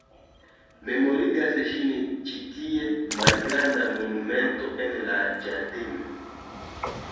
Memorigas ŝin ĉi tie malgranda monumento en la ĝardeno.